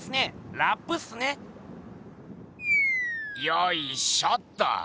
よいしょっと。